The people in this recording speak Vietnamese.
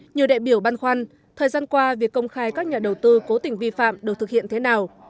nhiều đại biểu băn khoăn thời gian qua việc công khai các nhà đầu tư cố tình vi phạm được thực hiện thế nào